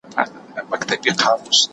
د عاجزۍ لاره غوره کړئ.